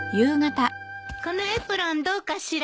このエプロンどうかしら？